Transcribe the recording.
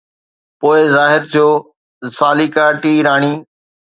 پوءِ ظاهر ٿيو ساليڪا ٽي راڻي